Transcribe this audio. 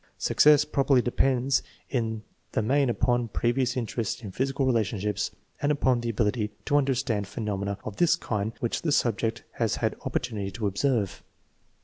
Success probably depends in the main upon pre vious interest in physical relationships and upon the abil ity to understand phenomena of this kind which the sub ject has had opportunity to observe.